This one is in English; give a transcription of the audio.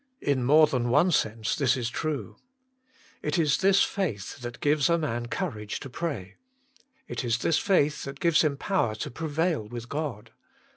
In more than one sense this is true. It is this faith that gives a man courage to pray. It is this faith that gives him power to prevail with God.